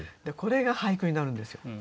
これが俳句になるんですよ。